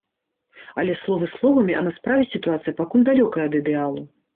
Але словы словамі, а на справе сітуацыя пакуль далёкая ад ідэалу.